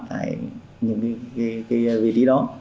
tại vị trí đó